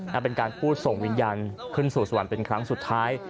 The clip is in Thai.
และเป็นการพูดส่งวิญญาณขึ้นสู่สวรรค์เป็นครั้งสุดท้าย